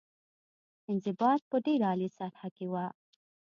انضباط په ډېره عالي سطح کې وه.